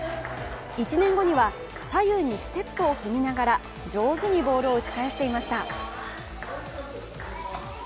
１年後には左右にステップを踏みながら上手にボールを打ち返していました。